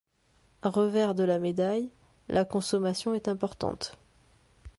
Revers de la médaille, la consommation est importante.